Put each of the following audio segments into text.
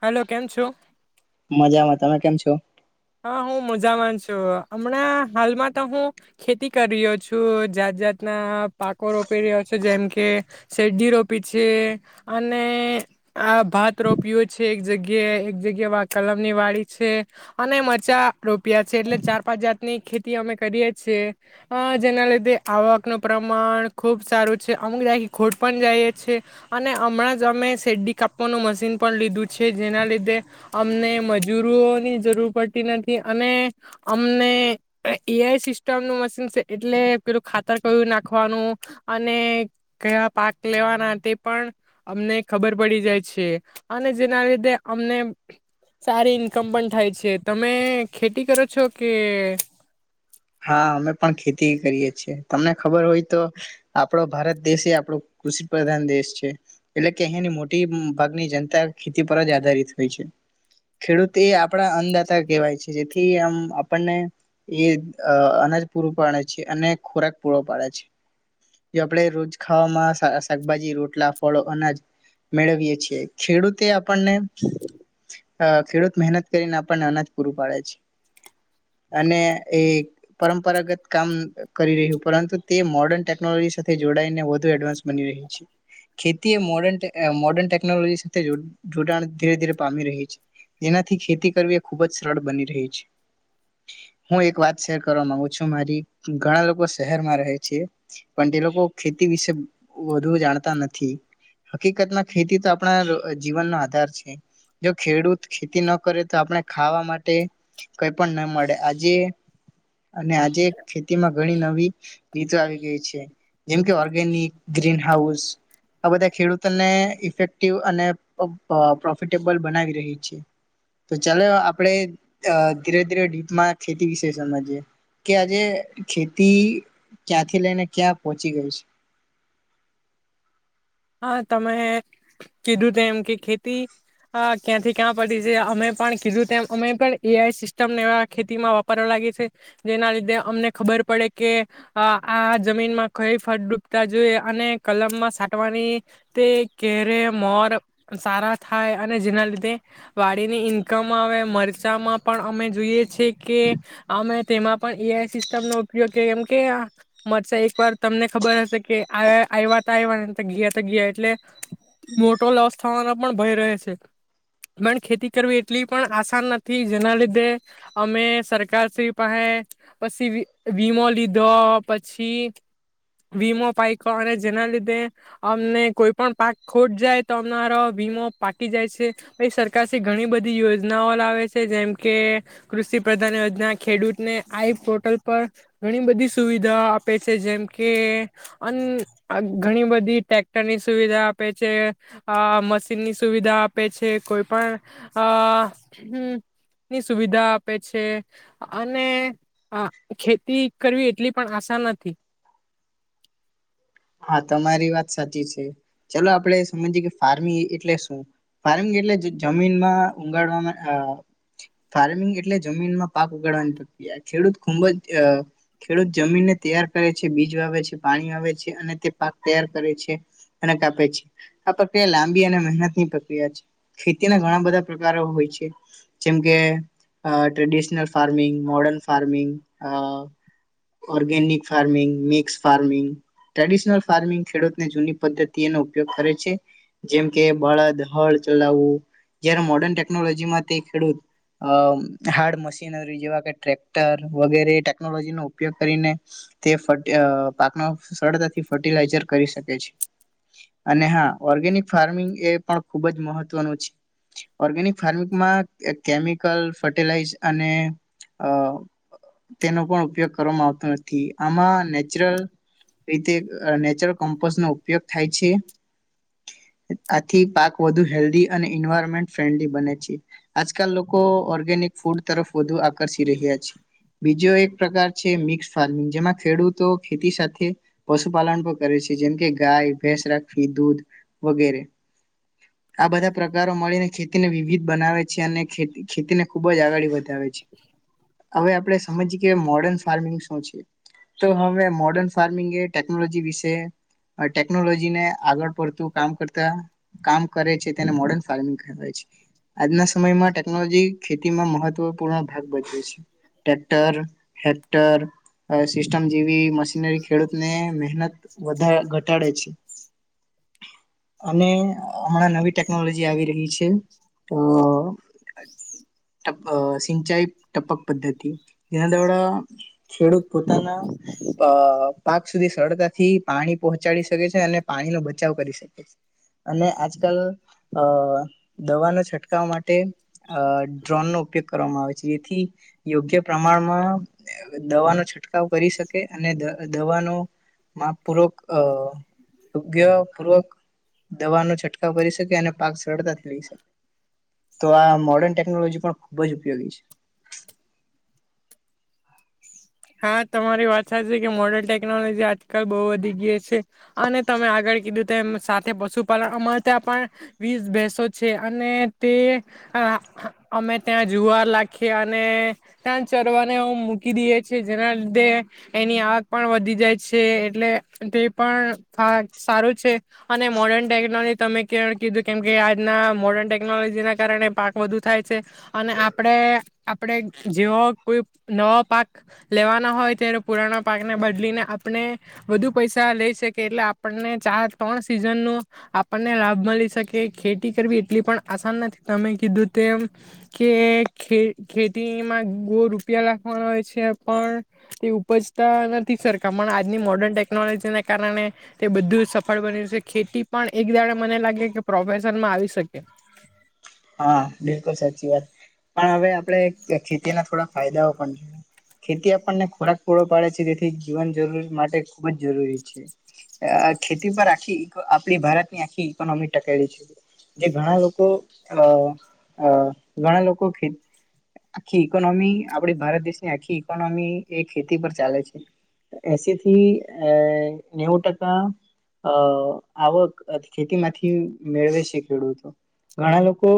Hello કેમ છો? મજામાં તમે કેમ છો? હા હું મોજામાન છું હમણાં હાલમાં તો હું ખેતી કરી રહ્યો છું જાત જાતના પાકો રોપી રહ્યો છે જેમ કે શેરડી રોપી છે અને આ ભાત રોપયો છે એક જગ્યા એક જગ્યા કલમની વાળી છે. અને મરચાં રોપ્યા છે એટલે ચાર પાંચ જાતની ખેતી અમે કરીએ છીએ જેના લીધે આવકનું પ્રમાણ ખૂબ સારું છે અમુક જાાય ખોટ પણ જઈએ છીએ અને હમણાં જ અમે શેરડી કાપવાનું મશીન પણ લીધું છે જેના લીધે અમને મજૂરોની જરૂર પડતી નથી અને અમને ઈઆઈ સિસ્ટમનું મશીન છે એટલે પેલું ખાતર કયું નાખવાનું અને કયા પાક લેવાના તે પણ અમને ખબર પડી જાય છે અને જેના લીધે અમને સારી ઈન્કમ પણ થાય છે. તમે ખેતી કરો છો કે હા અમે પણ ખેતી કરીએ છે, તમને ખબર હોય તો, આપણો ભારત દેશ એ આપણો કૃષિ પ્રધાન દેશ છે, એટલે કે અહીંની મોટી ભાગની જનતા ખેતી પર જ આધારિત હોય છે, ખેડૂત એ આપણા અન્નદાતા કહેવાય છે જેથી આમ આપણને એ અનાજ પૂર પાડે છે અને ખોરાક પૂરો પાડે છે, જો આપણે રોજ ખાવામાં શાકભાજી રોટલા ફળો અનાજ, મેળવીએ છીએ, ખેડૂતે આપણને ખેડૂત મહેનત કરીને આપણને અનાજ પૂરું પાડે છે, અને એ પરંપરાગત કામ કરી રહ્યું પરંતુ તે મોડર્ન ટેકનોલોજી સાથે જોડાઈને વધુ એડવાન્સ બની રહી છે, ખેતી મોડ મોર્ડન ટેકનોલોજી સાથે જોડાણ ધીરે ધીરે પામી રહી છે, જેનાથી ખેતી કરવી એ ખુબ જ સરળ બની રહી છે, હું એક વાત કરવાગુ છું મારી ઘણા લોકો શહેરમાં રહે છે, પણ તે લોકો ખેતી વિશે વધુ જાણતા નથી, હકીકતમાં ખેતી તો આપણા જીવનનો આધાર છે, જો ખેડૂત ખેતી ન કરે તો આપણે ખાવા માટે કઈ પણ ના મળે આજે અને આજે ખેતીમાં ઘણી નવી રીતો આવી ગઈ છે, જેમ કે ઓર્ગેનિક, ગ્રીન હાઉસ આ બધા ખેડૂતોને ઇફેક્ટિવ અને પ્રોફિટેબલ બનાવી રહી છે, તો ચાલો આપણે ધીરે ડીપમાં ખેતી સમજી, કે આજે ખેતી ક્યાંથી લઈને ક્યાં પહોચી ગઈ છે. હ તમે કીધું તેમમ કે ખેતી, ક્યાંથી ક્યાં પતી છે અમે પણ કીધું તેમ અમે પણ એઆઈ સિસ્ટમ એવા ખેતીમાં વાપરવા લાગી છે, જેના લીધે અમને ખબર પડે કે, આ જમીનમાં કઈ ફળ ડૂબતા જોઈએ, અને કલમમાં તે કેરે મોર સારા થાય અને જેના લીધે, વાડીની ઈન્કમ આવે મરચામાં પણ અમે જોઈએ છેએ કે, અમે તેમાં પણ ઈઆઈ સિસ્ટમનો ઉપયોગ કરી કેમ કે મરચા એકવાર તમને ખબર હશે કે આવતા આવ ગયા ત ગયા, એટલે મોટો લોસ થવાનો પણ ભય રહે છે, પણ ખેતી કરવી એટલી પણ આસાન નથી જેના લીધે અમે, સરકાર શ્રી પાસે પછી વીમો લીધો પછી, વીમો પાઇખ્યો અને જેના લીધે અમને કોઈ પણ પાક ખોટ જાય તો અમના વીમો પાકી જાય છે, તે સરકાર ઘણી બધી યોજનાઓ લાવે છે જેમકે કૃષિ પ્રધાન યોજના ખેડૂતને આઈ પોર્ટલ પર ઘણી બધી સુવિધા આપે છે, જેમકે ઘણી બધી ટ્રેક્ટરની સુવિધા આપે છે, મશીનની સુવિધા આપે છે કોઈ પણ, આ ની સુવિધા આપે છે, અને ખેતી કરવી એટલી પણ આશા નથી. હા તમારી વાત સાચી છે, ચાલો આપડણે સમજીય કે ફાર્મિંગ એટલે શું, ફાર્મિંગ એટલે જમીનમાં ઉગાડવાવામાં ફાર્મિંગ એટલે જમીનમાં પાક ઉગાડવાની પ્રક્રિયા ખેડૂત ખૂબ જ ખેડૂત જમીનને તૈયાર કરે છે બીજ વાવે છે પાણી વાવે છે. કાપે છે, આ પ્રક્રિયા લાંબી અને મહેનતની પ્રક્રિયા છે ખેતીના ઘણા બધા પ્રકારો હોય છે, જેમકે traditional farming, modern farming, organic farming, mix farming. Traditional farming ખેડૂતને જૂની પદ્ધતિ એનો ઉપયોગ કરે છે, જેમ કે બળદ હળ ચલાવવું, જયારે મોર્ડર્ન ટેકનોલોજીમાં તે ખેડૂત, હાર્ડ મશીનરી જેવા કે ટ્રેક્ટર વગેરે ટેકનોલોજીનોો ઉપયોગ કરીને, તે ફ પાકનો સરટલાઝર કરી શકે છે, અને હા ઓર્ગેનિક ફાર્મિંગ એ પણ ખૂબ જ મહત્વનું છે, ઓર્ગેનિક ફાર્મિંગમાં કેમિકલ ફર્ટિલાઈઝ અને તેનો પણ ઉપયોગ કરવામાં આવતો નથી આમાં નેચરલ નેચરલ કમ્પોઝ નો ઉપયોગ થાય છે, આથી પાક વધુ હેલ્ધી અને એન્વાયરોમેન્ટ ફ્રેન્ડલી બને છે, આજકાલ લોકો ઓર્ગેનિક ફૂડ તરફ વધુ આકર્ષી રહ્યા છે, બીજો એક પ્રકાર છે મિક્ ફારમિંગ જેમાં ખેડૂતો ખેતી સાથે પશુપાલન પણ કરે છે જેમકે ગાય ભેંસ રાખવી દૂધ, વગેરે, આ બધા પ્રકારો મળીને ખેતીને વિવિધ બનાવે છે અને ખેતીને ખુબ જ આગળ વધે આવે છે. હવે આપડે સમજી. કે મોડર્ન ફાર્મિંગ શું છે, તો હવે મોર્ડર્ન ફાર્મિંગ એ ટેકનોલોજી વિશે, ટેકનોલોજીને આગળ પડતું કામ કરતા કામ કરે છે તેને મોર્ડન ફાર્મિંગ કહેય છે, આજના સમયમાં ટેકનોલોજી ખેતીમાં મહત્વપૂર્ણ ભાગ બજવે, ટ્રેક્ટર હેક્ટર. સિસ્ટમ જેવી મશીનરી ખેડૂત મહેનત વધ ઘટાડે છે, અને હમણાં નવી ટેકનોલોજી આવી રહી છે, સિંચાઈ ટપક પદ્ધતિ જેના દ્વારા ખેડૂત પોતાના પાક સુધી સરળતાથી પાણી પહોંચાડી શકે છે અને પાણીનો બચાવ કરી શકે છે અને આજકાલ અ દવાનો છંટકાવ માટે અ ડ્રોનનોો ઉપયોગ કરવામાં આવે છે જેથી યોગ્ય પ્રમાણમાં દવાનો છંટકાવ કરી શકે અને દવાનો મા પૂર્વક અ યોગ્ય પૂર્વક દવાનો છંટકાવ કરી શકે અને પાક સરળતાથી લઈ શકે તો આ મોર્ડન ટેકનોલોજી પણ ખૂબ જ ઉપયોગી છે. હા તમારી વાત સાચ છે કે મોડર્ન ટેકનોલોજી આજકાલ બહુ વધી ગઈ છે અને તમે આગળ કીધું ત સાથે પશુપાલન અમારે ત્યાં પણ વીસ ભેસો છે અને તે અમે ત્યાં જુવાર લખીએ અને ત્યાં ચરવાને મૂકી દઈએ. જેના લીધે એની આવક પણ વધી જાય છે એટલે તે પણ સારું છે અને મોર્ડર્ન ટેકનોલોજી તમે કીધું કેમ કે આજના મોર્ડર્ન ટેકનોલોજીના કારણે પાક વધુ થાય છે અને આપણે આપણે જેવો કોઈ નવો પાક લેવાના હોય ત્યારે પુરાના પાકને બદલીને આપને વધુ પૈસા લઈ શકી એટલે આપણને ચાર ત્રણ સિઝન ન આપણને લાભ મળી શકે ખેતી કરવી એટલી પણ આસાન નથી તમે કીધું તેમ કેે ખેતીમાં બો રૂપિયા લખવાના હોય છે. છે પણ તે ઉપજતા નથી સરખા પણ આજની મોર્ડર્ન ટેકનોલોજીને કારણે તે બધું જ સફળ બન્યું છે. ખેતી પણ એક દાડે મને લાગે કે પ્રોફેશનમાં આવી શકે. હા બિલકુલ સાચી વાત પણ હવે આપણે ખેતીના થોડા ફાયદાઓ પણ જોએ ખેતી આપણને ખોરાક પૂરો પાડે છે જેથી જીવન જરૂરી માટે ખુબ જ જરૂરી છે ખેતી પર આખી આપણી ભારતની આખી ઈકોનોમી ટકેલી છે જે ઘણા લોકો. અ ઘણા લોકોે આખી ઈકોનોમી આપડી ભારત દેશની આખી ઈકોનોમી એ ખેતી પર ચાલે છે એસી થી અ નેવું ટકા અ આવક ખેતીમાંથી મેળવે છે ખેડૂતો. ઘણા લોકો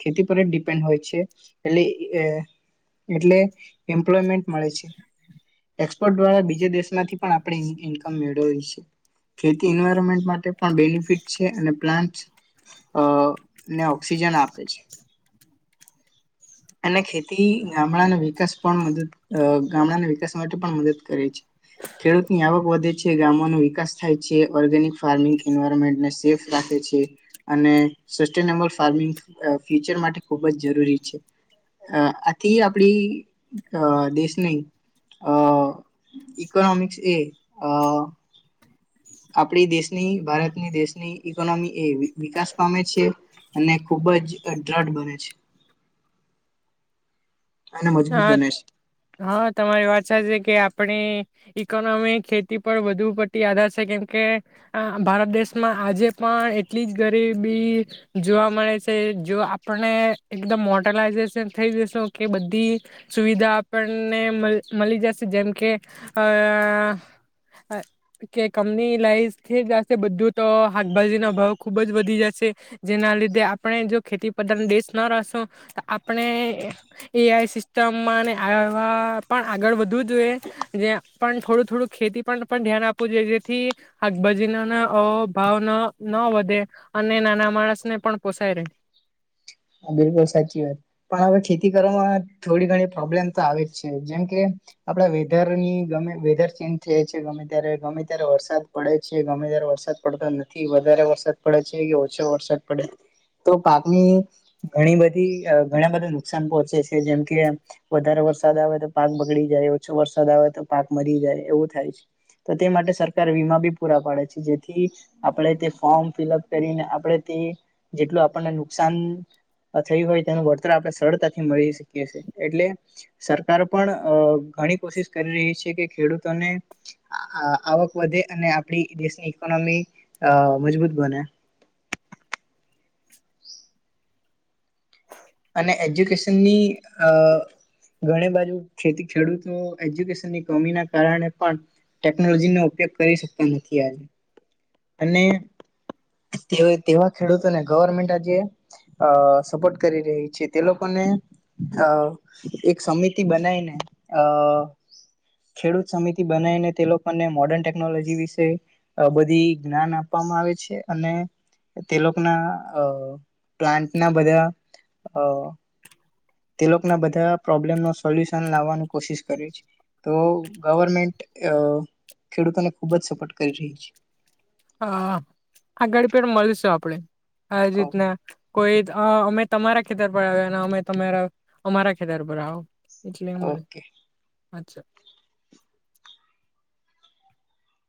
ખેતી પર જ ડિપેન્ડ હોય છે એટ એટલે એમપ્લોયમેન્ટ મળે છે એક્સપોર્ટ દ્વારા બીજ દેશમાંથી પણ આપ ઇમ મેળ છે ખેતી ન્યમેન્ટ માટે પણ બેનફિટ છે અને પ્લાન્ટ. ઓક્સજન આપે છે અને ખેતી ગામડાના વિકાસ પણ મ ગામડાના વિકાસ માટે પણ મદદ કરે છે ખેડૂતની આવક વધે છે ગામોનો વિકાસ થાય છે ઓર્ગેનિક ફાર્મિંગ એમે સેફ રાખે છે અને. બ ફાર્મિંગ ફ્યુચર માટે ખૂબ જ જરૂરી છે આથી આપણી દેશની ઈકોનોમિક્સ એ. આપણી દેશની ભારતની દેશની ઈકોનોમી એ વિકાસ પામે છે અને ખૂબ જ દ્રઢ બને છે. અને મજબૂત હા બને છે. હા તમારી વાત સા છે કે. આપણી ઈકોનોમી ખેતી પર વધુ પતી આધાર છે કેમકે ભારત દેશમાં આજે પણ એટલી જ ગરીબી જોવા મળે છે જો આપણે એકદમ મોડલાઈઝેશન થઈ જશું કે બધી. સુવિધા આપણને મળી જશે જેમ કે અ કે કમનીલાઈઝ થ જશે બધું તો શાકભાજીનો ભાવ ખુબ જ વધી જશે જેના લીધે આપણે જો ખેતી પદાર્થ દેશ ના રહેશો તો આપણે એ. સમ આવા પણ આગળ વધવું જોઈએ પણ થોડું થોડું ખેતી પર પણ ધ્યાન આપવું જોઈએ જેથી શકભાજી ના ભાવ ન વધે અને નાના માણસને પણ પોષાય રહે. બિલકુલ સાચી વાત પણ હવે ખેતી કરવામાં થોડી ઘણી પ્રોબ્લેમ તો આવે જ છે જેમ કે આપડા વેધર ની ગમે વેધર ચેન્જ થયા છે ગમે ત્યારે ગમે ત્યારે વરસાદ પડે છે ગમે ત્યારે વરસાદ પડતો નથી વધારે વરસાદ પડે છે કે ઓછો વરસાદ પડે તો પાકની. ઘણી બધી ઘણા બધા નુકસાન પહોંચે છે જેમ કે વધારે વરસાદ આવે તો પાક બગડી જાય ઓછો વરસાદ આવે તો પાક મરી જાય એવું થાય છે તો તે માટે સરકાર વીમા બી પૂરા પાડે છે જેથી આપણે તે ફોર્મ ફિલઅપ કરીને આપણે તે જેટલું આપણને નુકસાન. થયું હોય તેનું વળતર આપણે સરળતાથી મળી શકીએ છીએ એટલે સરકાર પણ ઘણી કોશિશ કરી રહી છે કે ખેડૂતોને આવક વધે અને આપણી દેશની ઈકોનોમી મજબૂત બને. અને એજ્યુકેશનની ઘણી બાજુ ખતી ખેડૂતો એજ્યુકેશનની કમી ના કારણે પણ ટેકનોલોજીનોો ઉપયોગ કરી શકતા નથી આે અને તેવા ખેડૂતોને ગવર્મેન્ટ આજે સપોર્ટ. કરી રહી છે તે લોકોને એક સમિતિ બનાવીને અ ખેડૂત સમિતિ બનાવીને તે લોકોને મોર્ડન ટેકનોલોજી વિશે બધી જ્ઞાન આપવામાં આવે છે અને તે લોકોના અ પ્લાન્ટના બધા. હ. તે લોકોના બધા પ્રોબ્લેમ ન સોલ્યુશન લાવવાની કોશિશ કરે છે તો ગવર્મેન્ટ ખેડૂતોને ખુબ જ સપોર્ટ કરી રહી છે. હા આ ગડી પેટ મળીશું આપણે. હા રીતના. કોઈ અમે તમારા ખેતર પર આવ્યા અને અમેરા અમારા ખેતર પર આવ. એટલે એમ મળે. ઓકે અચ્છા.